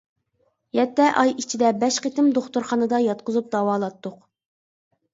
يەتتە ئاي ئىچىدە بەش قېتىم دوختۇرخانىدا ياتقۇزۇپ داۋالاتتۇق.